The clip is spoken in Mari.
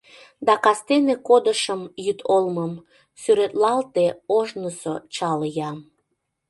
Да кастене кодышым йӱд олмым, Сӱретлалте ожнысо чал ям.